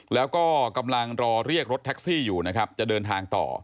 แล้วก็กำลังรอเรียกรถแท็กซี่อยู่นะครับจะเดินทางต่อ